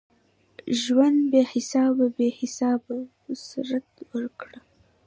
ژونده بی حسابه ؛ بی حسابه مسرت ورکړه